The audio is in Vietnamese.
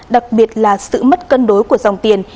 đặc biệt là sự mất cân đối của dòng tiền